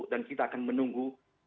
dan kita akan menunggu